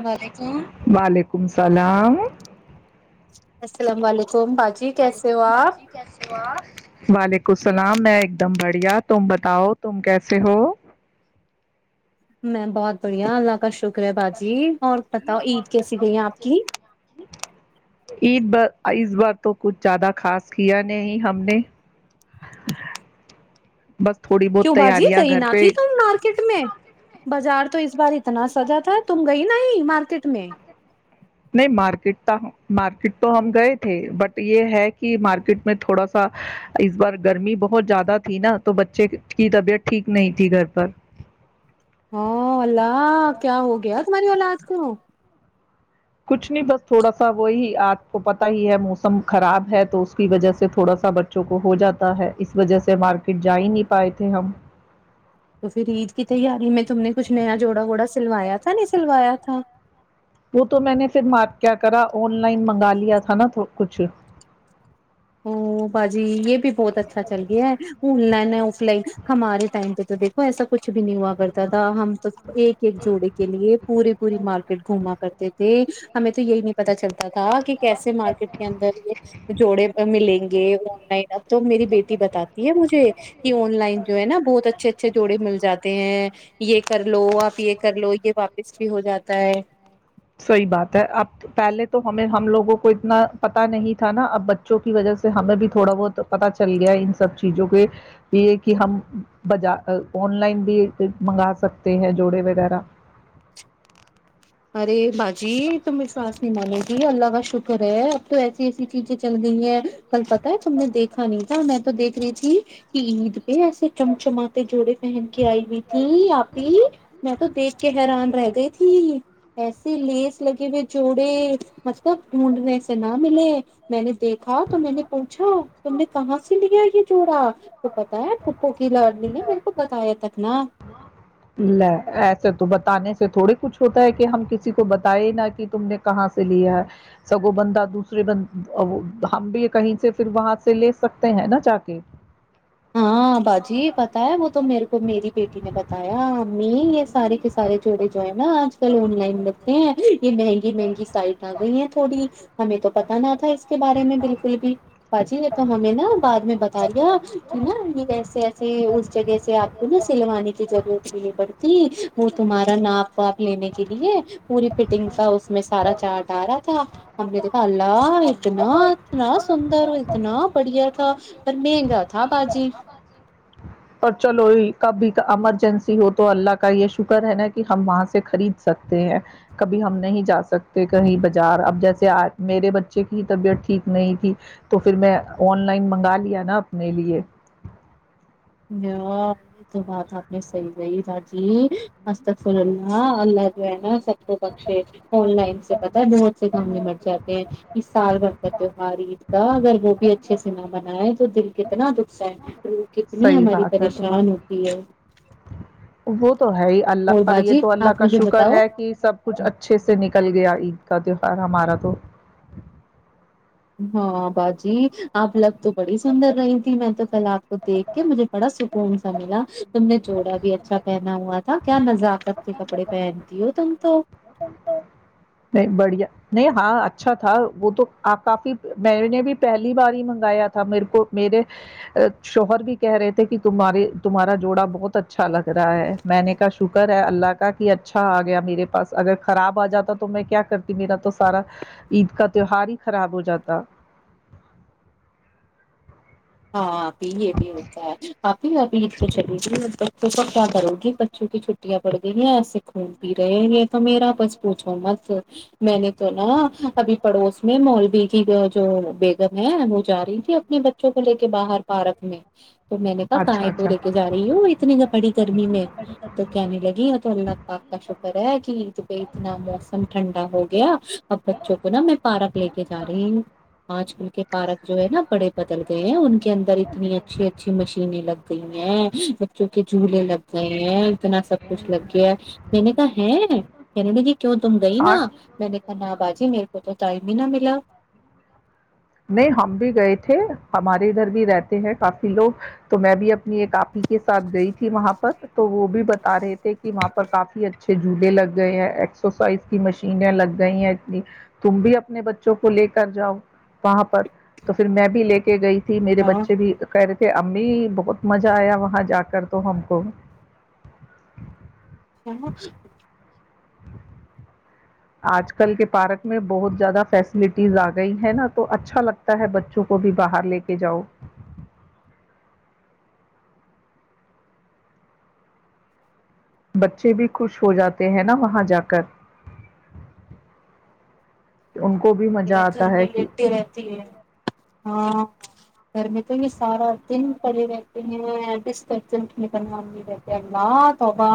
اللام علیکم وعلیکم اللام السلام علیکم باجی اللام کیسے ہو علیکم آپ باجی کیسےا وعلیکم السلام میں ایک دم بڑھیا تم بتاؤ تم کیسے ہو بہت بڑھیا اللہ کاش شکریہ باجی اور بتاؤ عید کیسی گئی ہے آپ کی عید بار اس بار تو کچھ زیادہ خاص کیا نہیں ہم نے بس تھوڑی بہت کیوں باجی تیاریاں کہیں گھر نہ پہ تھی تم مارکیٹ میں بازار تو اس اس بار اتنا سجا تھا تم گئی ن ہی مارکیٹ میں نہیں مارکیٹ مارکیٹ تو ہم گئے تھے بٹ یہ ہے کہ مارکیٹ میں تھوڑا سا اس بار گرمی بہت زیادہ تھی نا تو بچے کی طبیعت ٹھیک نہیں تھی گھر پر ہاں اللہ کیا ہو گیا تمہاری وال آج کو کچھ نہیں بس تھوڑا سا وہی آپ کو پتا ہی ہے موسم خراب ہے تو اس کی وجہ سے تھوڑا سا بچوں کو ہو جاتا ہے اس وجہ سے مارکیٹ جا ہی نہیں پائے تھے ہم تو پھر عید کی تیاری میں تم نے کچھ نیا جوڑا ووڑا سلوایا نہیں سلوایا تھا وہ تو میں نے پھر کیا کرا آن لائن منگا لیا تھا نا کچھ ا باجی یہ بھی بہت اچھا چل گیا ہے فون لائن ہے اف لائن ہمارے ٹائم پہ تو دیکھو ایسا کچھ بھی نہیں ہوا کرتا تھا ہم تو ایک ایک جوڑے کے لیے پورے پوری مارکیٹ گھما کرتے تھے ہمیں تو یہی نہیں پتتا چلتا تھا کہ کیسے مارکیٹ کے اندر یہ جوڑے ملیں گے آن لائن تو میری بیٹی بتاتی ہے مجھے کہ آن لائن جو ہے نا بہت اچھے اچھے جوڑے مل جاتے ہیں یہ کر لو آپ یہ کر لو یہ واپس بھی ہو جاتا ت سحیح بات ہے اب پہلے تو ہمیں ہم لوگوں کو اتنا پتا نہیں تھا نا اب بچوں کی وجہ سے ہمیں بھی تھوڑا بہت پتا چل گیا ان سب چیزوں کے یہ کہ ہم بجا آن لائن بھی منگا سکتے ہیں جوڑے وغیرہ ارے باق جی تم وشواس نہیں مالے ج اللہگ شکر ہے آپ ایسی چیزیں چل گئی ہیں کل پتا ہے تم نے دیکھا نہیں تھا میں تو دیکھ رہی تھی کہ عید پہ ایسے چمچمتے جوڑے پہن کے آئی ہوئی تھی آپی میں تو دیکھ کہ حیران رہ گئی تھی ایسے لیس لگے ہوئے جوڑے مطلب ڈھونڈنے سے نہ ملے میں نے دیکھا تو میں نے پوچھا تم نے کہاں سے لیا یہ جوڑا تو پتا ہے پھپو کے ل ایسے تو بتانے سے تھوڑے کچھ ہوتا ہے کہ ہم کسی کو بتائے نا کہ تم نے کہاں سے لیا ہے سگو بندہ دوسرے ب ہم بھی کہیں سے پھر وہاں سے لے سکتے ہیں نا جا کے ہاں باجی بتا وہ تو میرے کو میری بیٹی نے بتایا ہممی سارے کے سارے جوڑے جو ہے نا آج کل آن لائن لگتے ہیں یہ مہنگی مہنگی سائٹ آ گئی ہیں تھوڑی ہمیں تو پت نہ تھا اس کے بارے میں بالکل بھی بچی رہ تو ہمیں نا بعد میں بتا دیا نا یہ ایسے ایسے اس جگہ سے آپ کو نا سلوانے کی ضرورت جی ب ت وہ تمہارا ناپ واپ لینے کے لیے پوری پ تنگ ساؤس میں سارا چا ڈالا تھا ہم نے دیکھا اللہ اتنا اتنا سندر اور اتنا بڑھیا تھا پر مہنگا تھا باجی پر چلو کبھی ایمرجنسی ہو تو اللہ کا یہ شکر ہے نا کہ ہم وہاں سے خرید سکتے ہیں کبھی ہم نہیں جا سکتے کہیں بازار اب جیسے میرے بچے کی طبیعت ٹھیک نہیں تھی تو پھر میں آن لائن منگا لیا نا اپنے لیے یہ تو بات آپ نے صحی رہی تھاجی ہک اللہ اللہ جو ہے ناب ا پے ان لائن پتا بہت سے گھانگنےے مر جاتے ہیں اس سال بھر کا تہوار عید کا اگر وہ بھی اچھے سے نہ بنائے تو دل کتنا دکھ ہے کتنی صحیح ہماری بات ہے پریشان ہوتی ہے تمہاری وہ تو ہے ہی اللہ اور پر یہ باجی تو اللہ آپ کا مجھے شکر بتاؤ ہے کہ سب کچھ اچھے سے نکل کل گیا عید کا تہوار ہمارا تو ہاں باجی آپ لگ تو بڑی سندر رہی تھی میں تو پہل آپ تو کہ مجھے بڑا سکون سا ملا تم نے جوڑا بھی اچھا پہنا ہوا تھا کیا مزااکت کے کپڑے پہنتی ہو تم تو نہیں بڑھیا نہیں ہاں اچھا تھا وہ تو کافی میں نے بھی پہلی بار ہی منگایا تھا میرے کو میرے شوہر بھی کہہ رہے تھے کہ تمہے تمہارا جوڑا بہت اچھا لگ رہا ہے میں نے کا شکر ہے اللہ کا کہ اچھا آ گیا میرے پاس اگر خراب آ جاتا تو تو میں کیا کرتی میرا تو سارا عید کا تیوار ہی خراب ہو جاتا ہاں یہ بھی ہوتا ہے ابھی ابھی تو چلیج تو سب کیا کرو گی بچوں کی چھٹیاں پڑ گئی ہیں ایسے خون پی رہے ہیں یہ تو میرا بس پوچھو مت میں نے تو نا ابھی پڑوس میں مولوی کی جو بیگم ہے وہ جا رہی تھی اپنے بچوں کو کو لے کے باہر پارک میں تو میں نے کہا اچھا کاائے تو اچھا لے کے جا رہی ہوں اتنی پڑی گرمی میں تو کہنے لگی تو اللہ پپ کا شکر ہے ک ب اتنا موسم ٹھنڈا ہو گیا اب بچوں کو نا میں پارک لے کے جا رہی ہوں پانچ فل کے پارک جو ہے نا بڑے بدے ہیں ان کے اندر اتنی اچھی اچھی مشین لگ گئی ہیں بچوں کے جھولے لگ گئے ہیں اتنا سب کچھ لگ گیا ہے میں نے کہ ہے کہ جی کیوں تم گئی نا آٹھ میں نے کہ ن ب آج جی میرے کو تو تائم ہی نہ ملا نہیں ہم بھی گئے تھے ہمارے ادھر بھی رہتے ہیں کافی لوگ تو میں بھی اپنی ایک آپ ہی کے ساتھ گئی تھی وہاں پر تو وہ بھی بتا رہے تھے کہ وہاں پر کافی اچھے جھولے لگ گئے ہیں ایکسرسائز کی مشینیں لگ گئی ہیں اتنی تم بھی اپنے بچوں کو لے کر جاؤ وہاں پر تو پھر میں بھی لے کے گئی ت میرے ہاں بچے بھی کہ کہ امی بہت مزہ آیا وہاں جا کر تو ہم کو ہ ہ آج کل کے پارک میں بہت زیادہ فیسلٹیز آ گئی ہیں نا تو اچھا لگتا ہے بچوں کو بھی باہر لے کے جاؤ بچے بھی خوش ہو جاتے ہیں نا وہاں جا کر ان کو بھی مزہ گھر آتا میں ہے کہ لیٹتی رہتی ہے ہاں گھر میں تو یہ سارا دن پڑے رہتے ہیںسٹ نکلنا رہتے اللہ توبا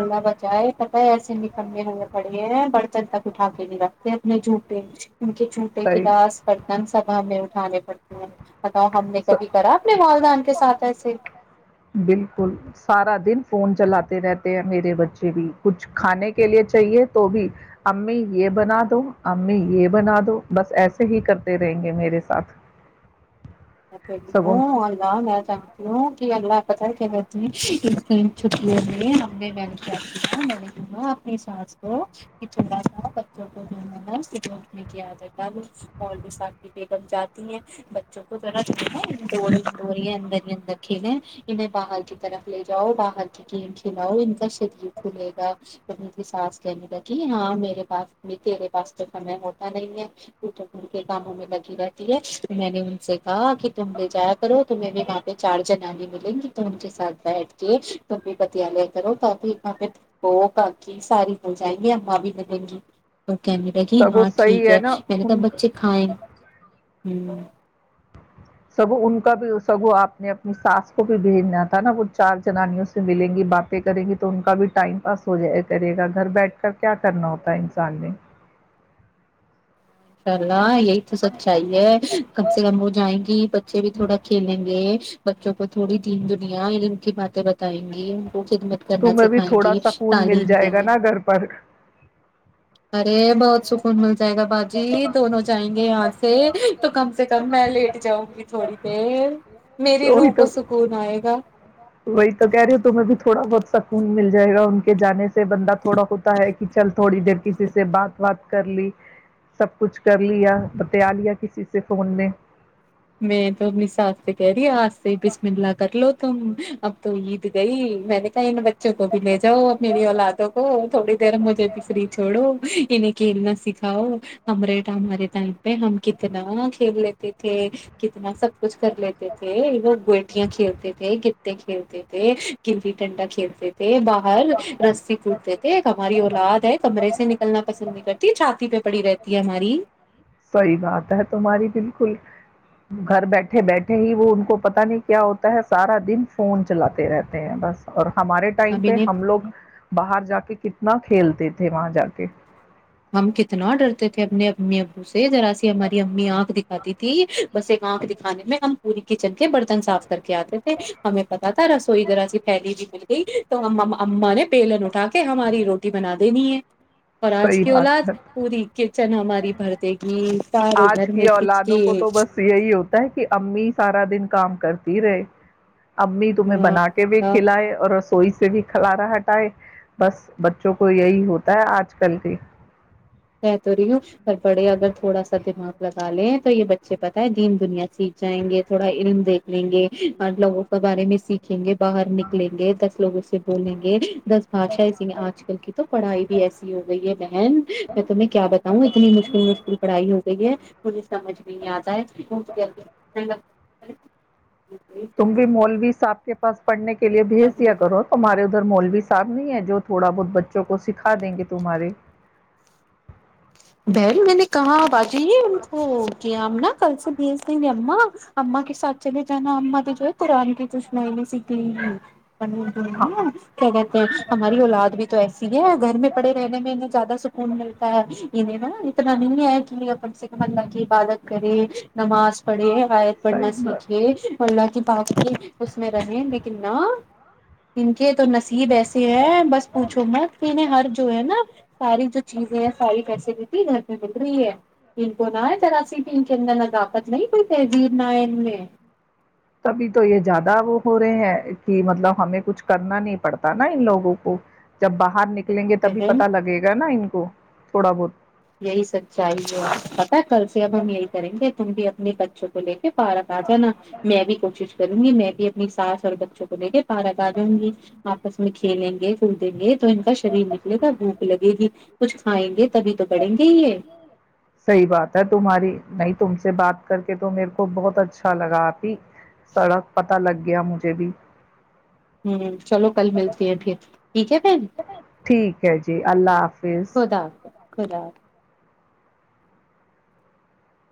اللہ بچائے پتہ ہے ایسے نکلنے ہمیں پڑے ہیں برتن تک اٹھا کے نہیں رکھتے جوپلم ان کے چھوٹے صحیح کلااس برتن سبا ہمیں اٹانے پڑتے ا بتاؤں ہم نے کبھی کرا اپنے والدان کے ساتھ ایسے بالکل سارا دن فون چلاتے رہتے ہیں میرے بچے بھی کچھ کھانے کے لیے چاہیے تو بھی امی یہ بنا دو امی یہ بنا دو بس ایسے ہی کرتے رہیں گے میرے ساتھ سگوں ہوں اورا م چتی ہوں ی اللہ ا پتاری کیلت چت ہم م کے ہاں میں نےا اپنی سانس کو چھولہا تھا بچوں کو جو ہے نانے کی عادت ہے اور بھی سھی پم جاتی ہیں بچوں کو تو پا چول تووی ہے اندر اندر کھیلیں انہیں باہر کی طرف لے جاؤ باہر کے گیم کھلاؤ ان کا ک کھلے گا س سانس کہنے لگی ہاں میرے پاس تیرے پاس تو سمے ہوتا نہیں ہے پٹ کے کاموں میں لگی رہتی ہے تو میں نے ان سے ہاں کہ تم لے جایا کرو تمہیں بھی وہاںہ چار جنانی ملیں گی تو ان کے ساتھ بیٹھ کے ت بھی پتیالے کرو تاکی وہ پہو کاکی ساری مل جائیں گی ااں بھی ملیں گی تو کہنے ل کہ سگوں ہاں ٹھیک صحیح ہے نا میں نے ت ان بچے کھائے ہوں سگو ان کا بھی سگو آپ نے اپنی ساس کو بھی بھیجنا تھا نا وہ چار جنانیوں سے ملیں گی باتیں کریں گی تو ان کا بھی ٹائم پاس ہو جائے کرے گا گھر بیٹھ کر کیا کرنا ہوتا ہے انسان نے سر ہاں یہی تو سچائی ہے کم سے کم وہ جائیں گی بچے بھی تھوڑا کھیلیں گے بچوں کو تھوڑی دین دنیا ان کی باتیں بتائیں گی خدمت کرنا تمہیں بھی سکھائیں تھوڑا گی سکون مل تعلیم کے جائے گا لیے نا گھر پر ارے بہت سکون مل جائے گا جی دونوں جائیں گے آ سے تو کم سے کم میں لیٹ جاؤں گی تھوڑی پ وہی تو وہی تو کہہ رہے ہو تم میں بھی تھوڑا بہت سکون مل جائے گا ان کے جانے سے بندہ تھوڑا ہوتا ہے کہ چل تھوڑی دیر کسی سے بات بات کر لی سب کچھ کر لیا بتیا لیا کسی سے فون میں میں تو اپنی سس سے کہہ رہی ہ آس س بیس من للا کر لو تو اب تو عید گئی مینکن بت بچوں کو بھی لے جاؤ میری اولادوں کو تھوڑی دیر مجھے بھی فری چھوڑو انہیں کھیلنا سکھاؤ ہمارے ٹائ ہمارے ٹائم پہ ہم کتنا کھیل لیتے تھے کتنا سب کچھ کر لیتے تھے لوگ گویٹیاں کھیلتے تھے گے کھیلتے تھے گلی ٹنڈا کھیلتے تھے تھے باہر رسی کودتے تھے ہماری اولاد ہے کمرے سے نکلنا پسند نہیں کرتی چھاتی پہ پڑی رہتی ہے ہماری صحیح بات ہے تمہاری بالکل گھر بیٹھے بیٹھے ہی وہ ان کو پتا نہیں کیا ہوتا ہے سارا دن فون چلاتے رہتے ہیں بس اور ہمارے ٹائم پہ ہم لوگ باہر جا کے کتنے نہ کھیلتے تھے وہاں جا کے ہم کتنا آ ڈرتے تھے اپنے اپنے ے جرا سی ہماری امی آنکھ دکھاتی تھی بس ایک آنکھ دکھانے میں ہم پوری کچن کے برتن صاف کر کے آتے تھے ہمیں پتا تھا رسوئی ذرا سی پھیلی بھی مل گئی تو ہم اما نے پلن اٹا کے ہماری روٹی بنا دینی ہے اور آج صحیح کیلا بات ہے پوری کچن ہماری بھرتے گی سارے آج گھر میں کی کچ اولادوں کو تو بس یہی ہوتا ہے کہ امی سارا دن کام کرتی رہے امی تمہیں بنا کے بھی کھلائے اور سوئی سے بھی کلارا ہٹائے بس بچوں کو یہی ہوتا ہے آج کل کی کہ تو رہی ہوں پر بڑے اگر تھوڑا سا دماغ لگا لے تو یہ بچے پتہ ہے دین دنیا سیکھ جائیں گے تھوڑا علم دیکھ لیں گے اور لوگوں کے بارے میں سیکھیں گے باہر نکلیں گے دس لوگوں سے بولیں گے دس بھاشا ای آج کل کی تو پڑھائی بھی ایسی ہو گئی ہے بہن میں تمہیں کیا بتاؤں اتنی مشکل مشکل پڑھائی ہو گئی ہے مجھے سمجھ نہیں آتا ہے تم بھی مولوی صاحب کے پاس پڑنے کے لیے بھیج دیا ہے کرو تمہارے مولوی صاحب بھی ہے جو تھوڑا بہت بچوں کو سکھا دیں گے تمہارے بہن میں نے کہاں باقی جی ان کو او کیا نا کل سے یہ کہ اما اما کے سچ نہیں جانا اما کی جو ہے تران کی کش میں نہیں سئی ہاں کیا کہتے ہیں ہماری اولاد بھی تو ایسی ہے گھر میں پڑے رہنے میں زیادہ انڈل کا [unintelligible] اتنا نہیں ک لی آ اپن صرف اللہ کی عبادت کرے نماز پڑھے ائد پڑھنا صحیح سیکھے بات اللہ کی بات کی اس میں رہیں لیکن نہ [unintelligible] یہ تو نصیب ایسے ہیں بس پوچھو مت انیں ہر جو ہے نا ساری جو چیزیں ہے ساری کر گھر پ مل رہی ہے ان کو نہ جراسیی ان کے اندر ندافت نہیں کوئی تہذیب نہئے ان میں تبھی تو یہ زیادہ وہ ہو رہے ہیں کہ مطلب ہمیں کچھ کرنا نہیں پڑتا نا ان لوگوں کو جب باہر نکل نکلیں گے تبھی بہن پتا لگے گا نا ان کو تھوڑا بہت یہی سب چاہیے پتا کل سے اب ہم یہی کریں گے تم بھی اب اپنے بچوں کو لے پارک آ جانا میں بھی کوشش کروں گی میں بھی اپنی ساس اور بچوں کو لے کے پارک آ جاؤں گی آپس میں کھیلیں گے کود دیں گے تو ان کا شریر نکلے گا بھوک لگے گی کچھ کھائیں گے تبھی تو بڑھیں گے یہ سحی بات ہے تمہاری نہیں تم سے بات کر کے تو میرے کو بہت اچھا لگا آپھی سڑک پ پتا لگ گیا مجھے بھی ہ چلو کل ملتی ہیں پھر ٹھیک ہے پھر ٹھیک ہے جی اللہ حافظ خدا حافظ خدا